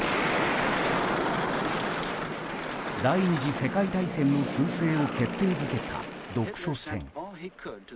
第２次世界大戦の趨勢を決定づけた、独ソ戦。